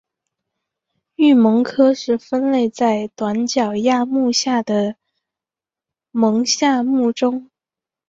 鹬虻科是分类在短角亚目下的虻下目中。